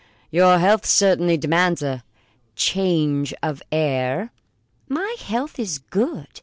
Your health certainly demands a change of air." "My health is good.